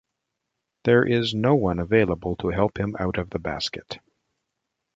There is no one available to help him out of the basket.